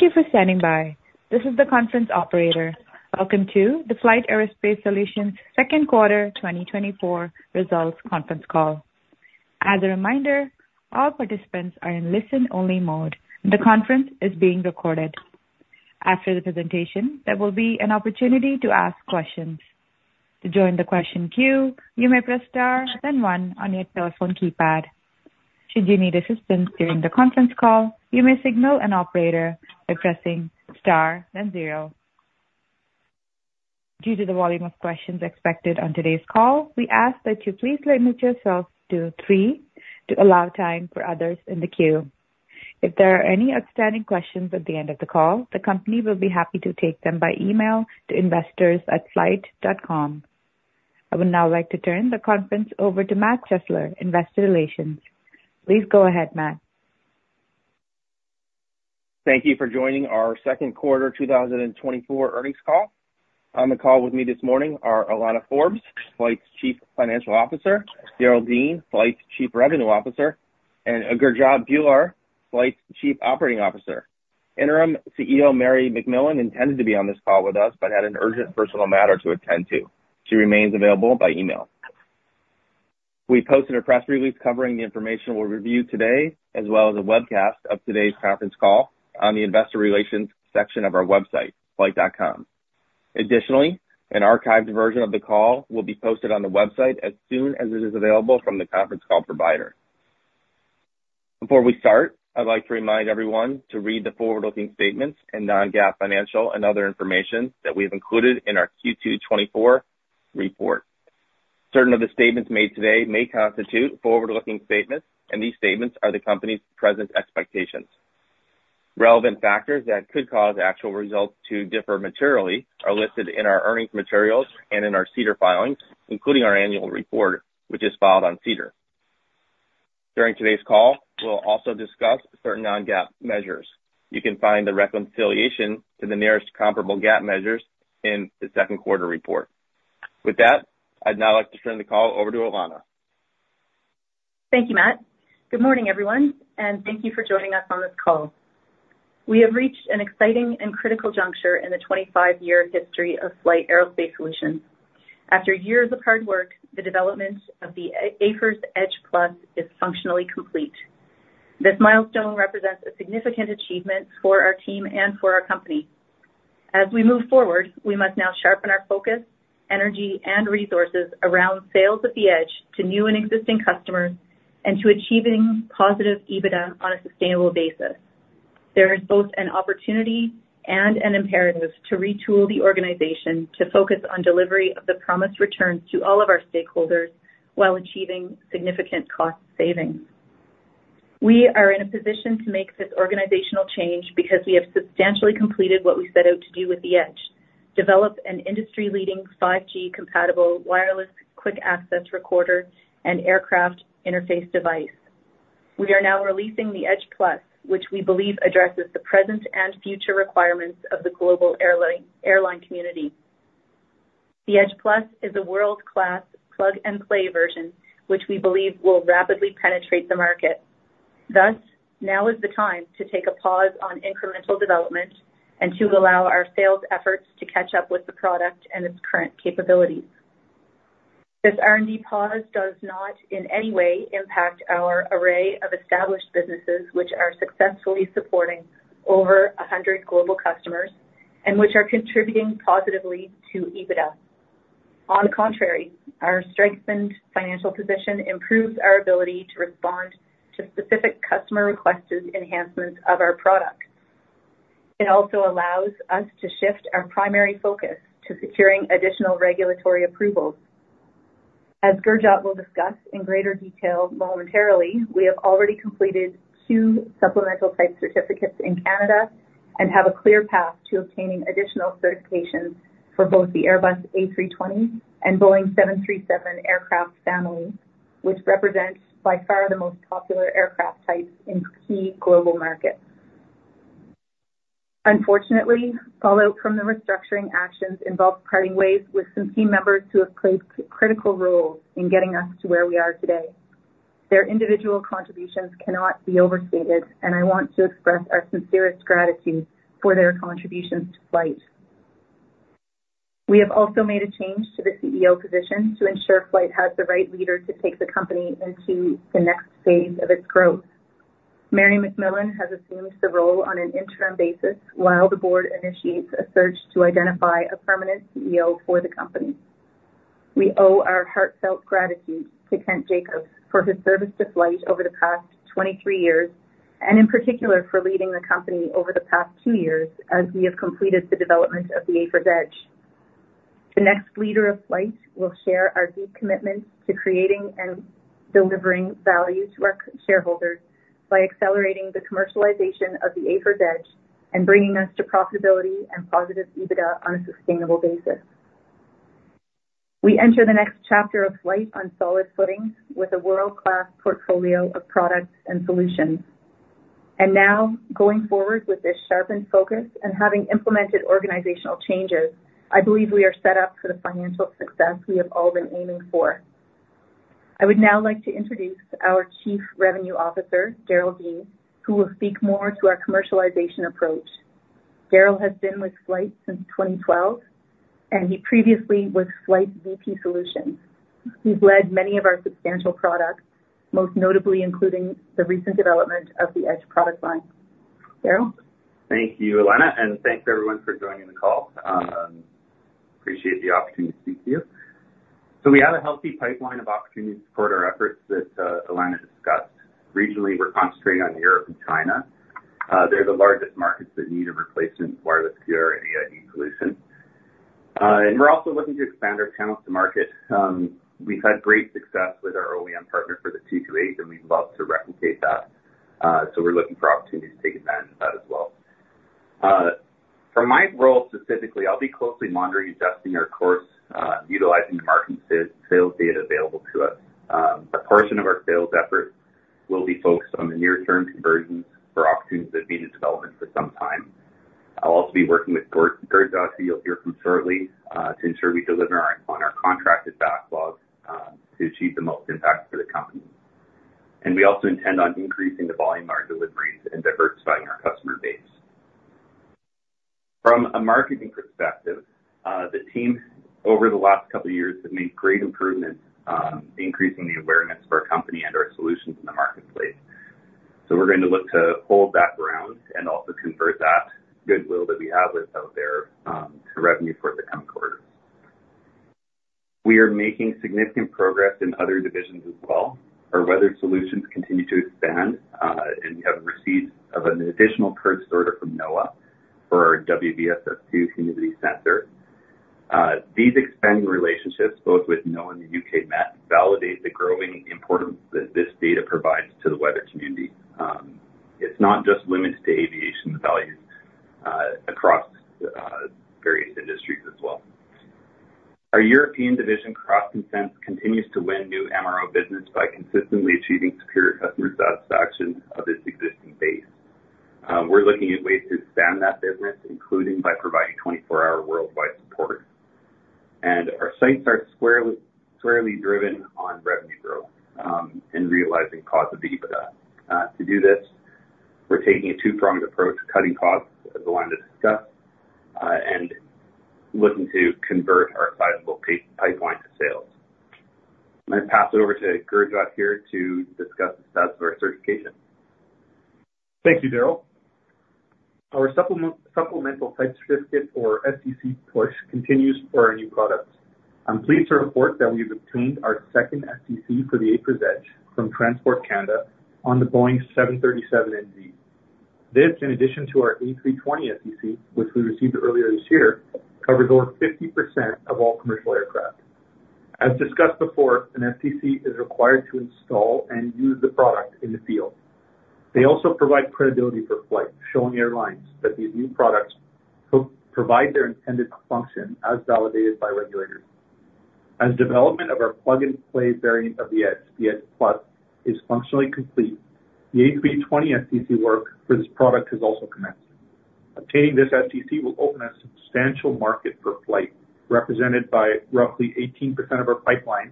Thank you for standing by. This is the conference operator. Welcome to the FLYHT Aerospace Solutions Second Quarter Twenty Twenty-Four Results Conference Call. As a reminder, all participants are in listen-only mode, and the conference is being recorded. After the presentation, there will be an opportunity to ask questions. To join the question queue, you may press star then one on your telephone keypad. Should you need assistance during the conference call, you may signal an operator by pressing star then zero. Due to the volume of questions expected on today's call, we ask that you please limit yourself to three to allow time for others in the queue. If there are any outstanding questions at the end of the call, the company will be happy to take them by email to investors@flyht.com. I would now like to turn the conference over to Matt Bessler, Investor Relations. Please go ahead, Matt. Thank you for joining our second quarter two thousand and twenty-four earnings call. On the call with me this morning are Alana Forbes, FLYHT's Chief Financial Officer, Derek Veen, FLYHT's Chief Revenue Officer, and Gurjot Bhullar, FLYHT's Chief Operating Officer. Interim CEO, Mary McMillan, intended to be on this call with us, but had an urgent personal matter to attend to. She remains available by email. We posted a press release covering the information we'll review today, as well as a webcast of today's conference call on the investor relations section of our website, flyht.com. Additionally, an archived version of the call will be posted on the website as soon as it is available from the conference call provider. Before we start, I'd like to remind everyone to read the forward-looking statements and non-GAAP financial and other information that we've included in our Q2 twenty-four report. Certain of the statements made today may constitute forward-looking statements, and these statements are the company's present expectations. Relevant factors that could cause actual results to differ materially are listed in our earnings materials and in our SEDAR filings, including our annual report, which is filed on SEDAR. During today's call, we'll also discuss certain non-GAAP measures. You can find the reconciliation to the nearest comparable GAAP measures in the second quarter report. With that, I'd now like to turn the call over to Alana. Thank you, Matt. Good morning, everyone, and thank you for joining us on this call. We have reached an exciting and critical juncture in the twenty-five-year history of FLYHT Aerospace Solutions. After years of hard work, the development of the AFIRS Edge+ is functionally complete. This milestone represents a significant achievement for our team and for our company. As we move forward, we must now sharpen our focus, energy, and resources around sales of the Edge to new and existing customers and to achieving positive EBITDA on a sustainable basis. There is both an opportunity and an imperative to retool the organization to focus on delivery of the promised returns to all of our stakeholders while achieving significant cost savings. We are in a position to make this organizational change because we have substantially completed what we set out to do with the Edge, develop an industry-leading 5G-compatible wireless quick access recorder and aircraft interface device. We are now releasing the Edge+, which we believe addresses the present and future requirements of the global airline community. The Edge+ is a world-class plug-and-play version, which we believe will rapidly penetrate the market. Thus, now is the time to take a pause on incremental development and to allow our sales efforts to catch up with the product and its current capabilities. This R&D pause does not in any way impact our array of established businesses, which are successfully supporting over a hundred global customers and which are contributing positively to EBITDA. On the contrary, our strengthened financial position improves our ability to respond to specific customer-requested enhancements of our product. It also allows us to shift our primary focus to securing additional regulatory approvals. As Gurjot will discuss in greater detail momentarily, we have already completed two supplemental type certificates in Canada and have a clear path to obtaining additional certifications for both the Airbus A320 and Boeing 737 aircraft families, which represents by far the most popular aircraft types in key global markets. Unfortunately, fallout from the restructuring actions involved parting ways with some team members who have played critical roles in getting us to where we are today. Their individual contributions cannot be overstated, and I want to express our sincerest gratitude for their contributions to FLYHT. We have also made a change to the CEO position to ensure FLYHT has the right leader to take the company into the next phase of its growth. Mary McMillan has assumed the role on an interim basis while the board initiates a search to identify a permanent CEO for the company. We owe our heartfelt gratitude to Kent Jacobs for his service to FLYHT over the past twenty-three years, and in particular for leading the company over the past two years as we have completed the development of the AFIRS Edge. The next leader of FLYHT will share our deep commitment to creating and delivering value to our shareholders by accelerating the commercialization of the AFIRS Edge and bringing us to profitability and positive EBITDA on a sustainable basis. We enter the next chapter of FLYHT on solid footing with a world-class portfolio of products and solutions. And now, going forward with this sharpened focus and having implemented organizational changes, I believe we are set up for the financial success we have all been aiming for.... I would now like to introduce our Chief Revenue Officer, Derek Veen, who will speak more to our commercialization approach. Derek has been with FLYHT since 2012, and he previously was FLYHT VP Solutions. He's led many of our substantial products, most notably including the recent development of the Edge product line. Derek? Thank you, Alana, and thanks, everyone, for joining the call. Appreciate the opportunity to speak to you. We have a healthy pipeline of opportunities to support our efforts that Alana discussed. Regionally, we're concentrating on Europe and China. They're the largest markets that need a replacement wireless QAR and AID solution. And we're also looking to expand our channels to market. We've had great success with our OEM partner for the 228, and we'd love to replicate that. We're looking for opportunities to take advantage of that as well. From my role, specifically, I'll be closely monitoring, adjusting our course, utilizing the sales data available to us. A portion of our sales efforts will be focused on the near-term conversions for opportunities that have been in development for some time. I'll also be working with Gurjot, who you'll hear from shortly, to ensure we deliver on our contracted backlog, to achieve the most impact for the company, and we also intend on increasing the volume of our deliveries and diversifying our customer base. From a marketing perspective, the team over the last couple of years have made great improvements, increasing the awareness of our company and our solutions in the marketplace, so we're going to look to hold that ground and also convert that goodwill that we have that's out there, to revenue for the coming quarters. We are making significant progress in other divisions as well. Our weather solutions continue to expand, and we have received an additional purchase order from NOAA for our WVSS-II. These expanding relationships, both with NOAA and the UK Met, validate the growing importance that this data provides to the weather community. It's not just limited to aviation, the value across various industries as well. Our European division, CrossConsense, continues to win new MRO business by consistently achieving superior customer satisfaction of its existing base. We're looking at ways to expand that business, including by providing 24-hour worldwide support. Our sites are squarely driven on revenue growth, and realizing positive EBITDA. To do this, we're taking a two-pronged approach, cutting costs, as Alana discussed, and looking to convert our sizable pipeline to sales. I'm going to pass it over to Gurjot here to discuss the status of our certification. Thank you, Derek. Our Supplemental Type Certificate, or STC, push continues for our new products. I'm pleased to report that we've obtained our second STC for the AFIRS Edge from Transport Canada on the Boeing 737 NG. This, in addition to our A320 STC, which we received earlier this year, covers over 50% of all commercial aircraft. As discussed before, an STC is required to install and use the product in the field. They also provide credibility for FLYHT, showing airlines that these new products provide their intended function, as validated by regulators. As development of our plug-and-play variant of the Edge, the Edge+, is functionally complete, the A320 STC work for this product has also commenced. Obtaining this STC will open a substantial market for FLYHT, represented by roughly 18% of our pipeline,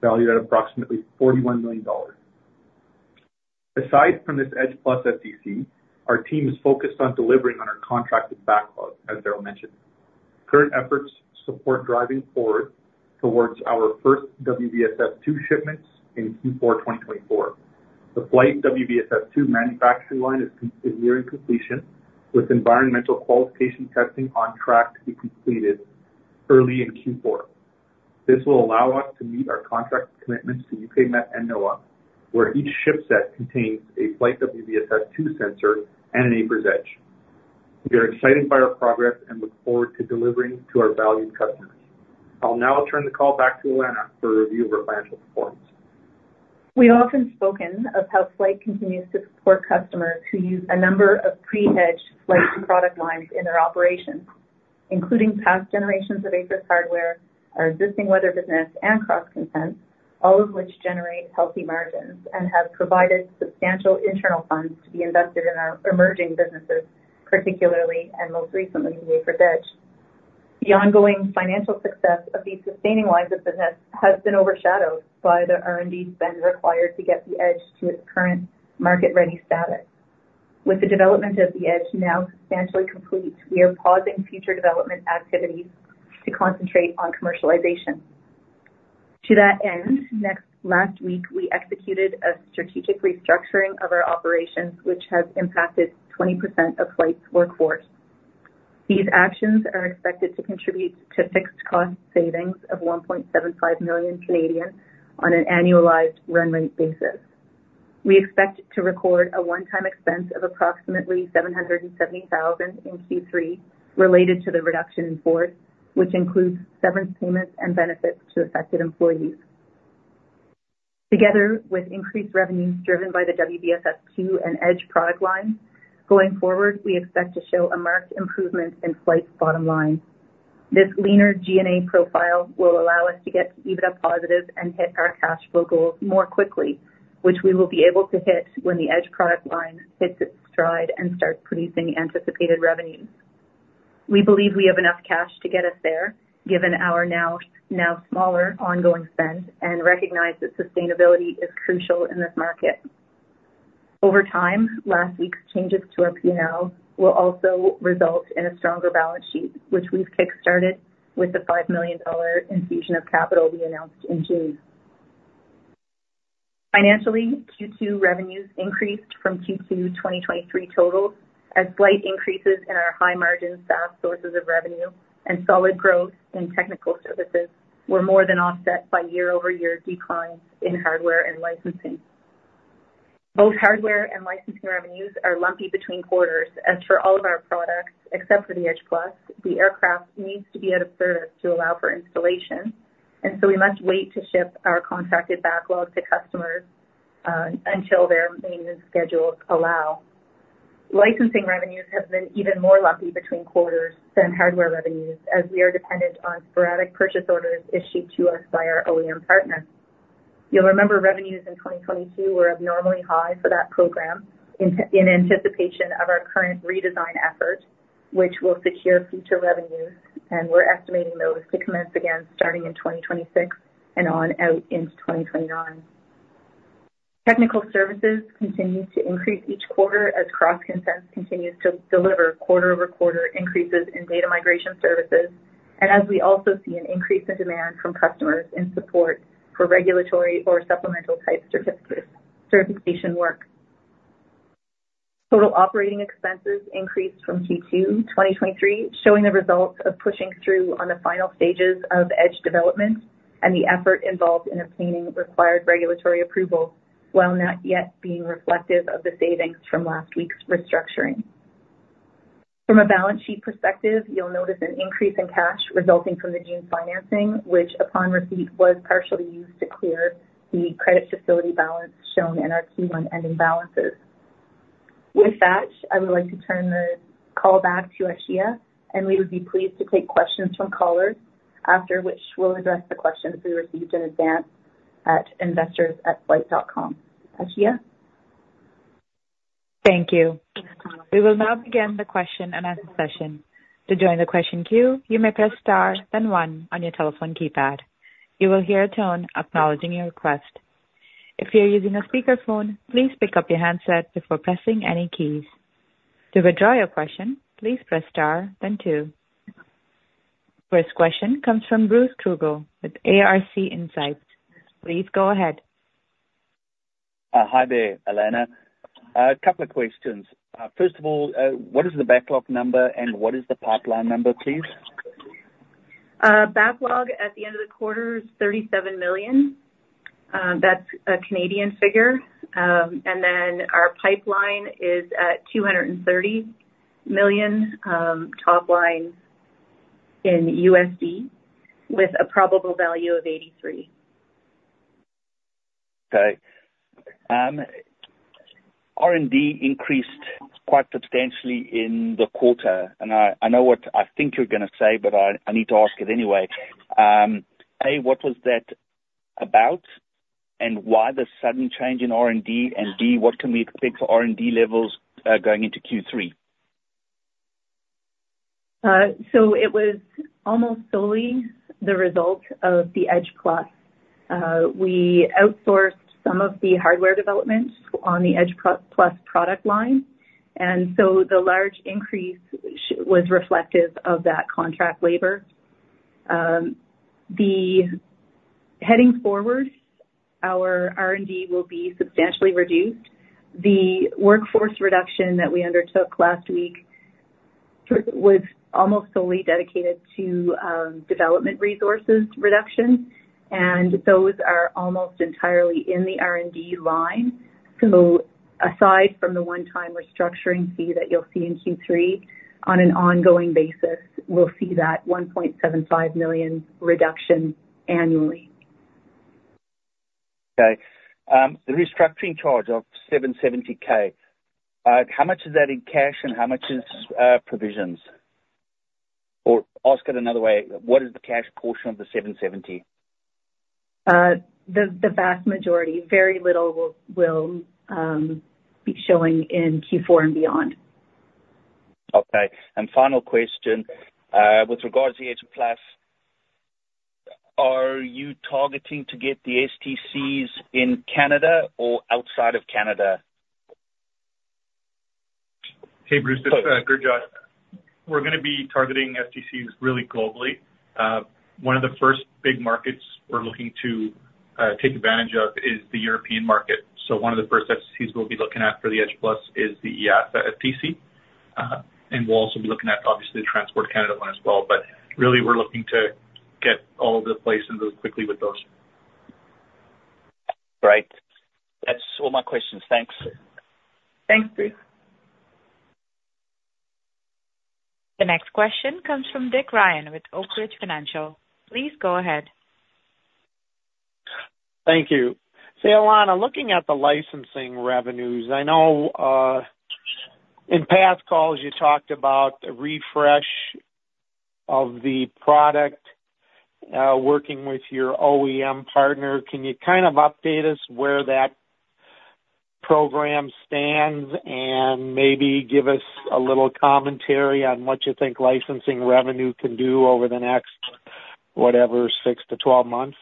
valued at approximately 41 million dollars. Aside from this AFIRS Edge+ STC, our team is focused on delivering on our contracted backlog, as Derek mentioned. Current efforts support driving forward towards our first FLYHT WVSS-II shipments in Q4 2024. The FLYHT WVSS-II manufacturing line is nearing completion, with environmental qualification testing on track to be completed early in Q4. This will allow us to meet our contract commitments to UK Met and NOAA, where each shipset contains a FLYHT WVSS-II sensor and an AFIRS Edge. We are excited by our progress and look forward to delivering to our valued customers. I'll now turn the call back to Alana for a review of our financial performance. We've often spoken of how FLYHT continues to support customers who use a number of pre-Edge FLYHT product lines in their operations, including past generations of AFIRS hardware, our existing weather business, and CrossConsense, all of which generate healthy margins and have provided substantial internal funds to be invested in our emerging businesses, particularly, and most recently, the AFIRS Edge. The ongoing financial success of these sustaining lines of business has been overshadowed by the R&D spend required to get the Edge to its current market-ready status. With the development of the Edge now substantially complete, we are pausing future development activities to concentrate on commercialization. To that end, last week, we executed a strategic restructuring of our operations, which has impacted 20% of FLYHT's workforce. These actions are expected to contribute to fixed cost savings of 1.75 million on an annualized run rate basis. We expect to record a one-time expense of approximately 770,000 in Q3 related to the reduction in force, which includes severance payments and benefits to affected employees. Together with increased revenues driven by the WVSS-II and Edge product lines, going forward, we expect to show a marked improvement in FLYHT's bottom line. This leaner G&A profile will allow us to get EBITDA positive and hit our cash flow goals more quickly, which we will be able to hit when the Edge product line hits its stride and starts producing anticipated revenue.... We believe we have enough cash to get us there, given our now smaller ongoing spend, and recognize that sustainability is crucial in this market. Over time, last week's changes to our P&L will also result in a stronger balance sheet, which we've kickstarted with the $5 million infusion of capital we announced in June. Financially, Q2 revenues increased from Q2 2023 totals, as slight increases in our high-margin SaaS sources of revenue and solid growth in technical services were more than offset by year-over-year declines in hardware and licensing. Both hardware and licensing revenues are lumpy between quarters, as for all of our products, except for the Edge+, the aircraft needs to be out of service to allow for installation, and so we must wait to ship our contracted backlog to customers until their maintenance schedules allow. Licensing revenues have been even more lumpy between quarters than hardware revenues, as we are dependent on sporadic purchase orders issued to us by our OEM partner. You'll remember revenues in 2022 were abnormally high for that program, in anticipation of our current redesign effort, which will secure future revenues, and we're estimating those to commence again starting in 2026 and on out into 2029. Technical services continue to increase each quarter as CrossConsense continues to deliver quarter-over-quarter increases in data migration services, and as we also see an increase in demand from customers in support for regulatory or supplemental type certification work. Total operating expenses increased from Q2 2023, showing the results of pushing through on the final stages of Edge development and the effort involved in obtaining required regulatory approval, while not yet being reflective of the savings from last week's restructuring. From a balance sheet perspective, you'll notice an increase in cash resulting from the June financing, which, upon receipt, was partially used to clear the credit facility balance shown in our Q1 ending balances. With that, I would like to turn the call back to Ashia, and we would be pleased to take questions from callers, after which we'll address the questions we received in advance at investors.flyht.com. Ashia? Thank you. We will now begin the question-and-answer session. To join the question queue, you may press star then one on your telephone keypad. You will hear a tone acknowledging your request. If you're using a speakerphone, please pick up your handset before pressing any keys. To withdraw your question, please press star then two. First question comes from Bruce Krugel with ARC Insights. Please go ahead. Hi there, Alana. A couple of questions. First of all, what is the backlog number and what is the pipeline number, please? Backlog at the end of the quarter is 37 million. That's a Canadian figure, and then our pipeline is at $230 million, top line in USD, with a probable value of $83 million. Okay. R&D increased quite substantially in the quarter, and I know what I think you're gonna say, but I need to ask it anyway. A, what was that about, and why the sudden change in R&D? And B, what can we expect for R&D levels going into Q3? So it was almost solely the result of the Edge+. We outsourced some of the hardware development on the Edge+ product line, and so the large increase was reflective of that contract labor. Then heading forward, our R&D will be substantially reduced. The workforce reduction that we undertook last week was almost solely dedicated to development resources reduction, and those are almost entirely in the R&D line. So aside from the one-time restructuring fee that you'll see in Q3, on an ongoing basis, we'll see that 1.75 million reduction annually. Okay. The restructuring charge of 770,000, how much is that in cash and how much is provisions? Or ask it another way, what is the cash portion of the 770,000? The vast majority, very little will be showing in Q4 and beyond. Okay. And final question. With regards to the Edge+, are you targeting to get the STCs in Canada or outside of Canada? Hey, Bruce, this is Gurjot. We're gonna be targeting STCs really globally. One of the first big markets we're looking to take advantage of is the European market, so one of the first STCs we'll be looking at for the Edge+ is the EASA STC, and we'll also be looking at, obviously, the Transport Canada one as well, but really we're looking to get all over the place and move quickly with those. Great. That's all my questions. Thanks. Thanks, Bruce. The next question comes from Dick Ryan with Oak Ridge Financial. Please go ahead. Thank you. So Alana, looking at the licensing revenues, I know in past calls you talked about a refresh of the product, working with your OEM partner. Can you kind of update us where that program stands, and maybe give us a little commentary on what you think licensing revenue can do over the next, whatever, six to 12 months?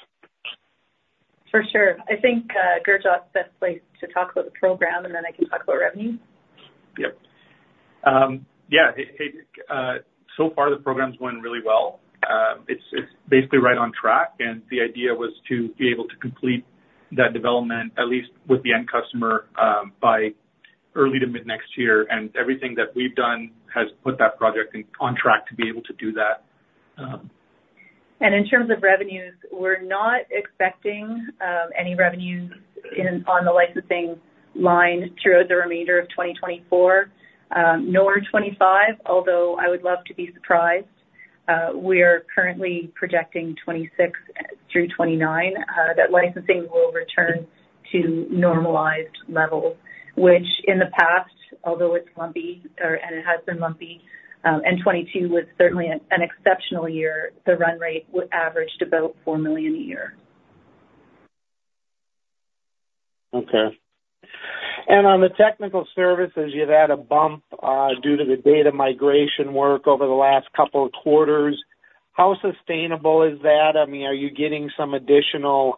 For sure. I think, Gurjot's best placed to talk about the program, and then I can talk about revenue. Yep. So far the program's going really well. It's basically right on track, and the idea was to be able to complete that development, at least with the end customer, by early to mid-next year. Everything that we've done has put that project on track to be able to do that. In terms of revenues, we're not expecting any revenues in, on the licensing line throughout the remainder of 2024, nor 2025, although I would love to be surprised. We are currently projecting 2026 through 2029 that licensing will return to normalized levels, which in the past, although it's lumpy or, and it has been lumpy, and 2022 was certainly an exceptional year, the run rate would average about 4 million a year. Okay. And on the technical services, you've had a bump due to the data migration work over the last couple of quarters. How sustainable is that? I mean, are you getting some additional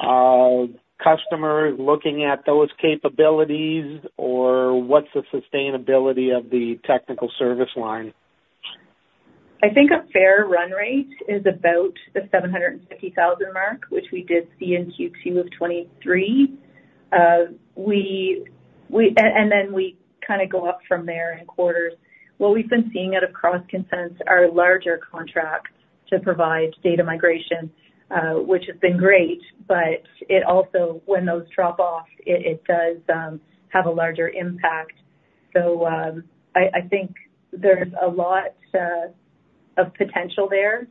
customers looking at those capabilities, or what's the sustainability of the technical service line? I think a fair run rate is about 750,000, which we did see in Q2 of 2023, and then we kind of go up from there in quarters. What we've been seeing out of CrossConsense are larger contracts to provide data migration, which has been great, but it also, when those drop off, it does have a larger impact, so I think there's a lot of potential there,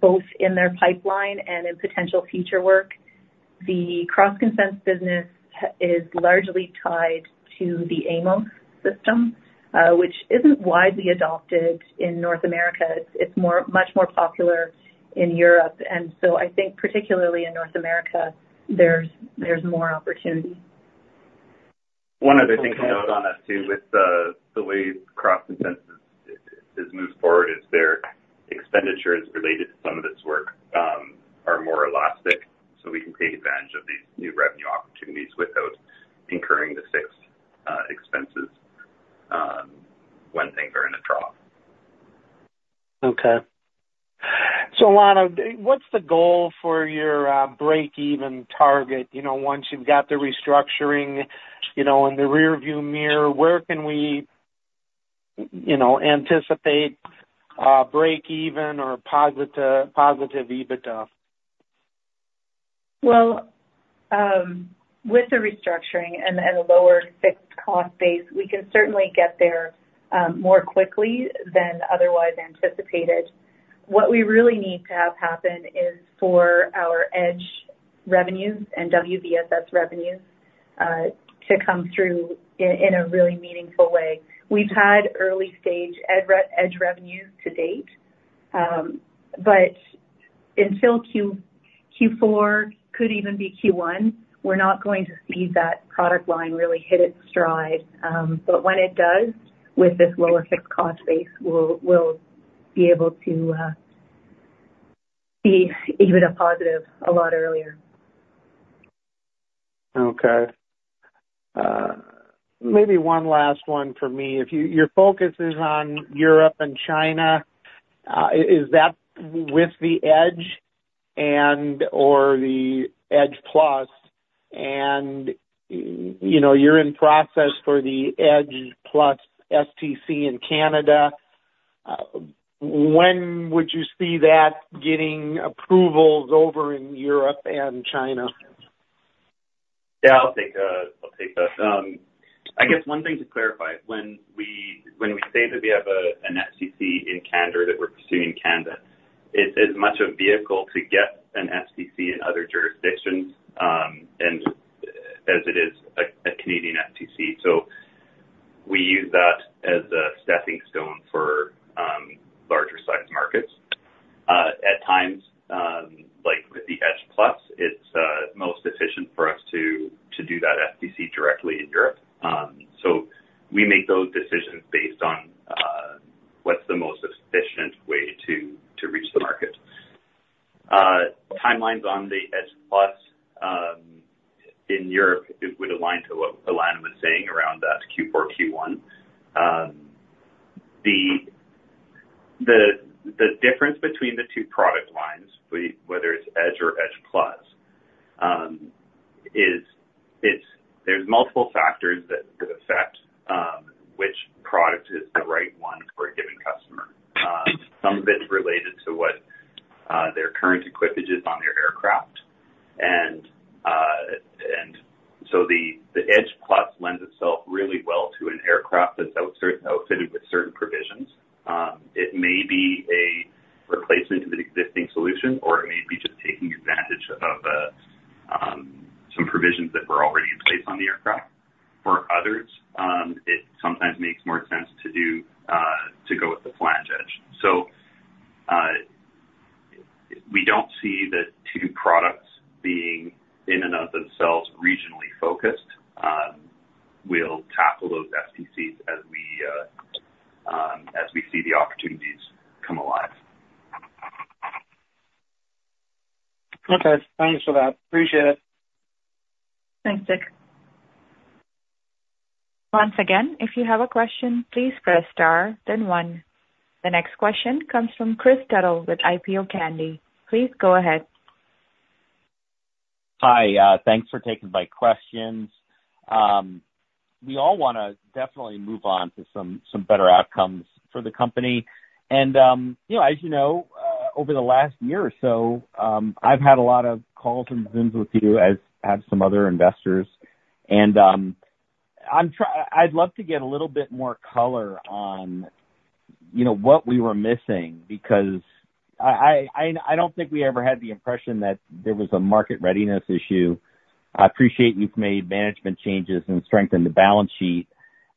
both in their pipeline and in potential future work. The CrossConsense business is largely tied to the AMOS system, which isn't widely adopted in North America. It's much more popular in Europe, and so I think particularly in North America, there's more opportunity. One other thing to note on that, too, with the way CrossConsense has moved forward is their expenditures related to some of this work are more elastic, so we can take advantage of these new revenue opportunities without incurring the fixed expenses when things are in a trough. Okay. So Alana, what's the goal for your breakeven target? You know, once you've got the restructuring, you know, in the rearview mirror, where can we you know, anticipate breakeven or positive EBITDA? With the restructuring and a lower fixed cost base, we can certainly get there more quickly than otherwise anticipated. What we really need to have happen is for our Edge revenues and WVSS revenues to come through in a really meaningful way. We've had early stage Edge revenues to date, but until Q4, could even be Q1, we're not going to see that product line really hit its stride. But when it does, with this lower fixed cost base, we'll be able to see even a positive a lot earlier. Okay. Maybe one last one for me. If your focus is on Europe and China, is that with the Edge and/or the Edge+? And, you know, you're in process for the Edge+ STC in Canada. When would you see that getting approvals over in Europe and China? Yeah, I'll take that. I guess one thing to clarify, when we say that we have an STC in Canada that we're pursuing in Canada, it's as much a vehicle to get an STC in other jurisdictions and as it is a Canadian STC. So we use that as a stepping stone for larger-sized markets. At times, like with the Edge+, it's most efficient for us to do that STC directly in Europe. So we make those decisions based on what's the most efficient way to reach the market. Timelines on the Edge+ in Europe, it would align to what Alana was saying around that Q4, Q1. The difference between the two product lines, whether it's Edge or Edge+, is. It's there are multiple factors that could affect which product is the right one for a given customer. Some of it is related to what their current equipment is on their aircraft. And so the Edge+ lends itself really well to an aircraft that's outfitted with certain provisions. It may be a replacement to the existing solution, or it may be just taking advantage of some provisions that were already in place on the aircraft. For others, it sometimes makes more sense to do that the two products being in and of themselves regionally focused. We'll tackle those STCs as we see the opportunities come alive. Okay, thanks for that. Appreciate it. Thanks, Nick. Once again, if you have a question, please press star, then one. The next question comes from Kris Tuttle with IPO Candy. Please go ahead. Hi, thanks for taking my questions. We all wanna definitely move on to some better outcomes for the company. You know, as you know, over the last year or so, I've had a lot of calls and Zooms with you, as have some other investors. I'd love to get a little bit more color on, you know, what we were missing, because I don't think we ever had the impression that there was a market readiness issue. I appreciate you've made management changes and strengthened the balance sheet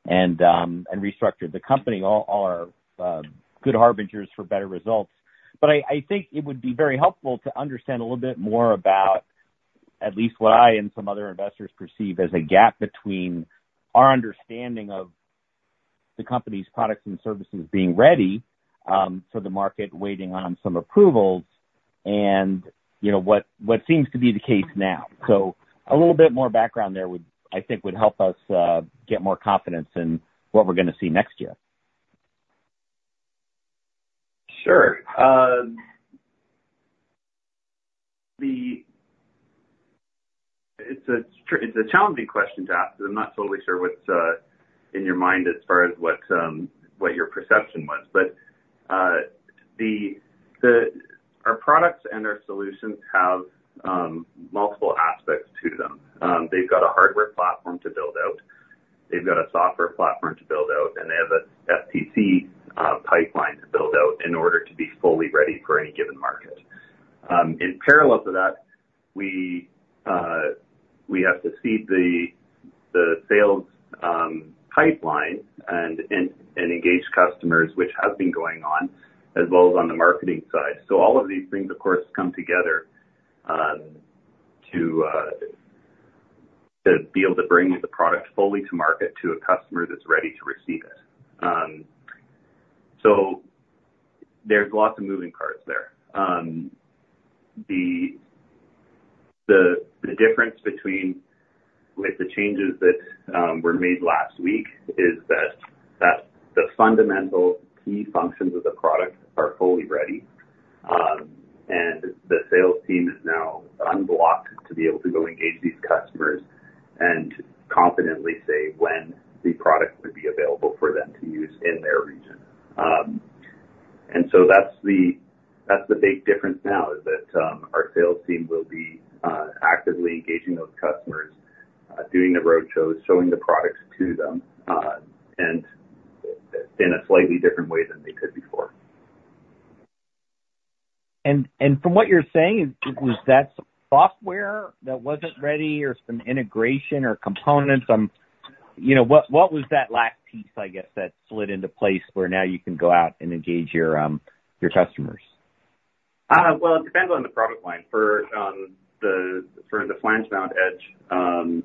and restructured the company. All are good harbingers for better results. But I think it would be very helpful to understand a little bit more about at least what I and some other investors perceive as a gap between our understanding of the company's products and services being ready for the market, waiting on some approvals and, you know, what seems to be the case now. So a little bit more background there would, I think, help us get more confidence in what we're gonna see next year. Sure. It's a challenging question to ask, because I'm not totally sure what's in your mind as far as what your perception was, but our products and our solutions have multiple aspects to them. They've got a hardware platform to build out, they've got a software platform to build out, and they have a STC pipeline to build out in order to be fully ready for any given market. In parallel to that, we have to seed the sales pipeline and engage customers, which has been going on, as well as on the marketing side, so all of these things, of course, come together to be able to bring the product fully to market to a customer that's ready to receive it. So there's lots of moving parts there. The difference between, like, the changes that were made last week is that the fundamental key functions of the product are fully ready, and the sales team is now unblocked to be able to go engage these customers and confidently say when the product will be available for them to use in their region. And so that's the big difference now, is that our sales team will be actively engaging those customers, doing the road shows, showing the products to them, and in a slightly different way than they could before. From what you're saying, was that software that wasn't ready or some integration or component? You know, what was that last piece, I guess, that slid into place, where now you can go out and engage your customers? It depends on the product line. For the AFIRS Edge,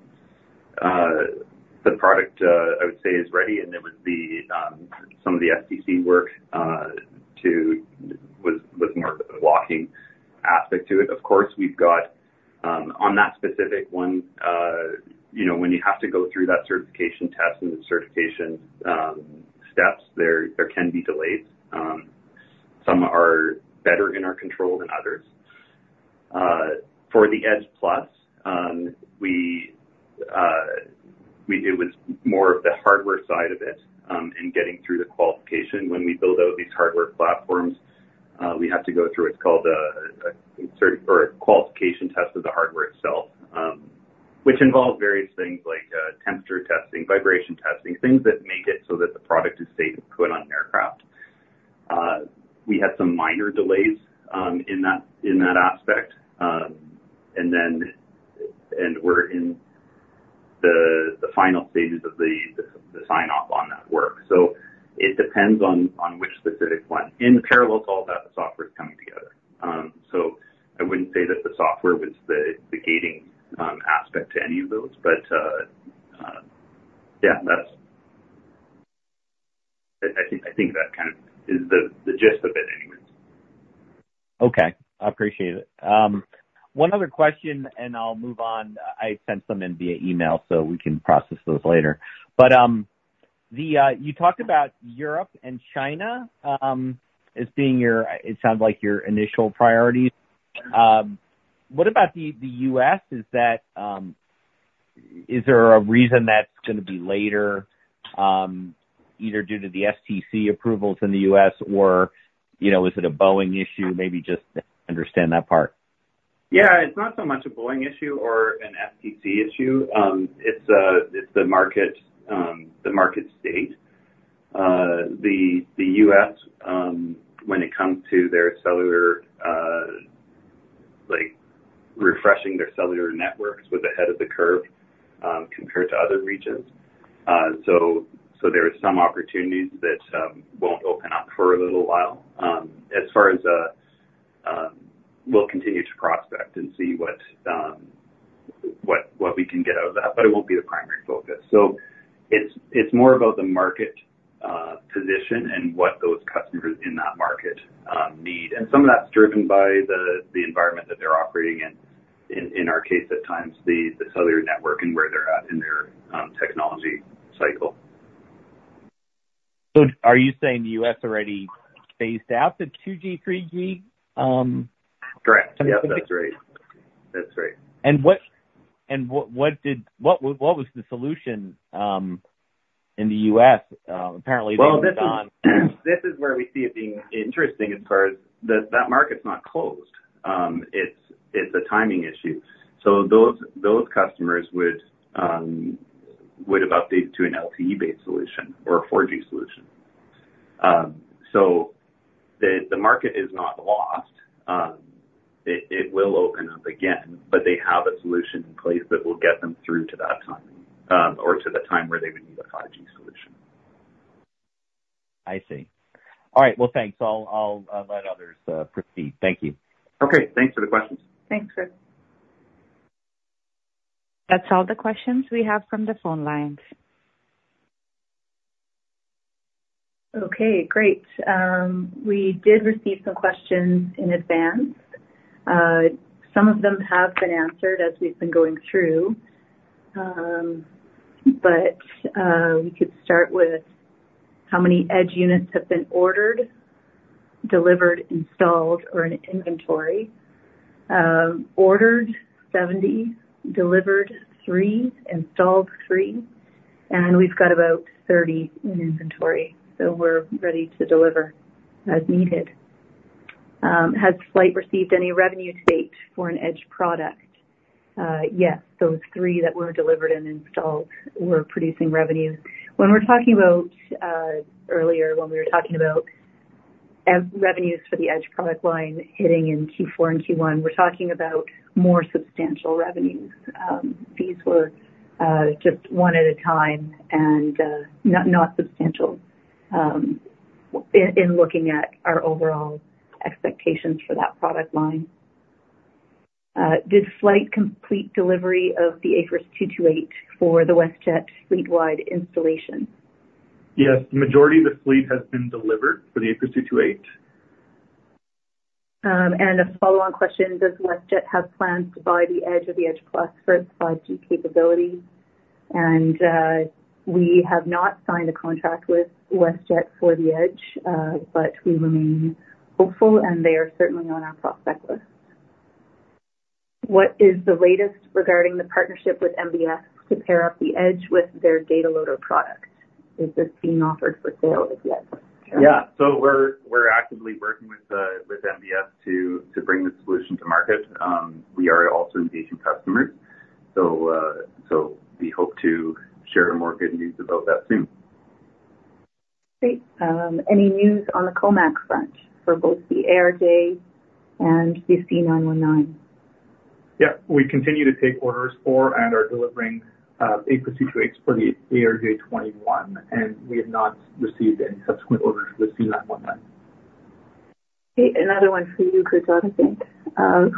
the product I would say is ready, and it would be some of the STC work that was more of a blocking aspect to it. Of course, we've got on that specific one, you know, when you have to go through that certification test and the certification steps, there can be delays. Some are better in our control than others. For the Edge+, we do with more of the hardware side of it in getting through the qualification. When we build out these hardware platforms, we have to go through what's called a cert or a qualification test of the hardware itself, which involves various things like temperature testing, vibration testing, things that make it so that the product is safe to put on an aircraft. We had some minor delays in that aspect, and then we're in the final stages of the sign-off on that work, so it depends on which specific one. In parallel to all that, the software is coming together, so I wouldn't say that the software was the gating aspect to any of those, but yeah, that's... I think that kind of is the gist of it anyways. Okay, I appreciate it. One other question, and I'll move on. I sent some in via email, so we can process those later. But you talked about Europe and China as being your initial priorities. What about the US? Is there a reason that's gonna be later, either due to the FCC approvals in the US or, you know, is it a Boeing issue? Maybe just understand that part. Yeah, it's not so much a Boeing issue or an FCC issue. It's the market, the market state. The U.S., when it comes to their cellular, like refreshing their cellular networks, we're ahead of the curve, compared to other regions. So there are some opportunities that won't open up for a little while. As far as we'll continue to prospect and see what we can get out of that, but it won't be the primary focus. So it's more about the market position and what those customers in that market need, and some of that's driven by the environment that they're operating in. In our case, at times, the cellular network and where they're at in their technology cycle. So are you saying the U.S. already phased out the 2G, 3G? Correct. Yep, that's right. That's right. What was the solution in the U.S.? Apparently they moved on. This is where we see it being interesting as far as the... That market's not closed. It's a timing issue. So those customers would've updated to an LTE-based solution or a 4G solution. So the market is not lost. It will open up again, but they have a solution in place that will get them through to that time, or to the time where they would need a 5G solution. I see. All right, well, thanks. I'll let others proceed. Thank you. Okay, thanks for the questions. Thanks, sir. That's all the questions we have from the phone lines. Okay, great. We did receive some questions in advance. Some of them have been answered as we've been going through. But we could start with, how many Edge units have been ordered, delivered, installed, or in inventory? Ordered, 70, delivered, three, installed, three, and we've got about 30 in inventory, so we're ready to deliver as needed. Has FLYHT received any revenue to date for an Edge product? Yes, those three that were delivered and installed were producing revenues. When we're talking about earlier, when we were talking about Edge revenues for the Edge product line hitting in Q4 and Q1, we're talking about more substantial revenues. These were just one at a time and not substantial in looking at our overall expectations for that product line. Did FLYHT complete delivery of the AFIRS 228 for the WestJet fleet-wide installation? Yes, the majority of the fleet has been delivered for the AFIRS 228. And a follow-on question, does WestJet have plans to buy the Edge or the Edge+ for its 5G capability? And, we have not signed a contract with WestJet for the Edge, but we remain hopeful, and they are certainly on our prospect list. What is the latest regarding the partnership with MBS to pair up the Edge with their data loader product? Is this being offered for sale as yet? Yeah, so we're actively working with MBS to bring this solution to market. We are also engaging customers, so we hope to share more good news about that soon. Great. Any news on the COMAC front for both the ARJ and the C919? Yeah, we continue to take orders for and are delivering AFIRS 228s for the ARJ21, and we have not received any subsequent orders for the C919. Okay, another one for you, Christoph, I think.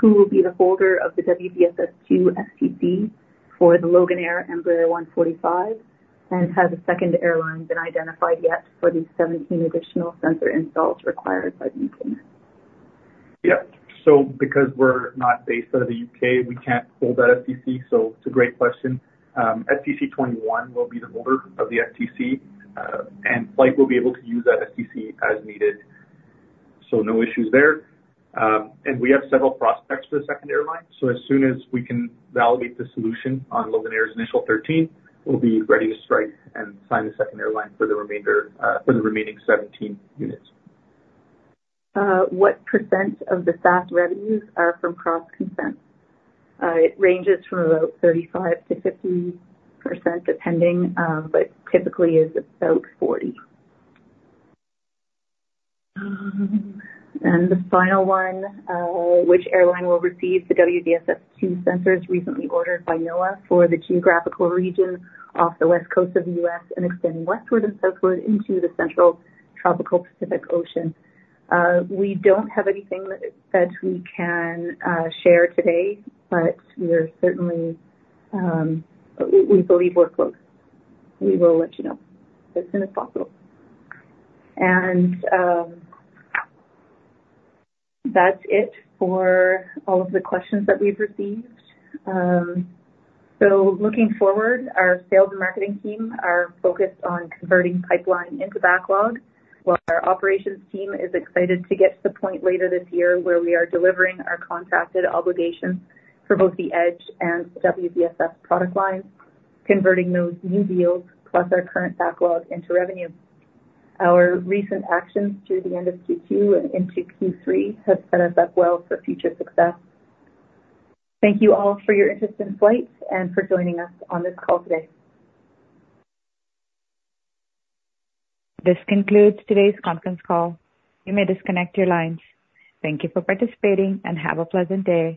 Who will be the holder of the WVSS-II STC for the Loganair Embraer 145, and has a second airline been identified yet for the seventeen additional sensor installs required by the agreement? Yeah. So because we're not based out of the U.K., we can't hold that STC, so it's a great question. STC 21 will be the holder of the STC, and FLYHT will be able to use that STC as needed, so no issues there. And we have several prospects for the second airline, so as soon as we can validate the solution on Loganair's initial 13, we'll be ready to strike and sign the second airline for the remainder, for the remaining 17 units. What percent of the SaaS revenues are from CrossConsense? It ranges from about 35% to 50%, depending, but typically is about 40%. The final one, which airline will receive the WVSS-II sensors recently ordered by NOAA for the geographical region off the west coast of the U.S. and extending westward and southward into the central tropical Pacific Ocean? We don't have anything that we can share today, but we're certainly, we believe we're close. We will let you know as soon as possible. That's it for all of the questions that we've received. Looking forward, our sales and marketing team are focused on converting pipeline into backlog, while our operations team is excited to get to the point later this year where we are delivering our contracted obligations for both the Edge and WVSS product lines, converting those new deals plus our current backlog into revenue. Our recent actions through the end of Q2 and into Q3 have set us up well for future success. Thank you all for your interest in FLYHT, and for joining us on this call today. This concludes today's conference call. You may disconnect your lines. Thank you for participating, and have a pleasant day.